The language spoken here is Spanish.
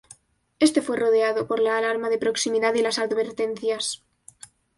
Este fue rodeado por la alarma de proximidad y las advertencias.